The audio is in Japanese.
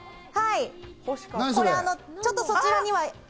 これ、ちょっとそちらには。